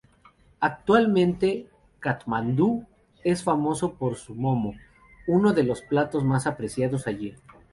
Actualmente Katmandú es famoso por su "momo", uno de los platos más apreciados allí.